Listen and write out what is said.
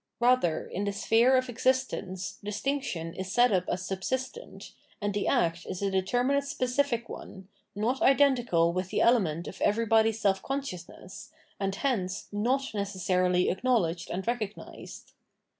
Rather, in the sphere of exist ence, distinction is set up as subsistent, and the act is a determinate specific one, not identical with the element of everybody's self consciousness, and hence net, neces sarily acknowledged and recognised.